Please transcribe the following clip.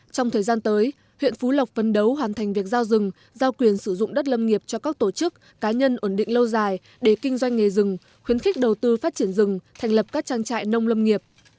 trong thời gian tới huyện phú lộc phân đấu hoàn thành việc giao rừng giao quyền sử dụng đất lâm nghiệp cho các tổ chức cá nhân ổn định lâu dài để kinh doanh nghề rừng khuyến khích đầu tư phát triển rừng thành lập các trang trại nông lâm nghiệp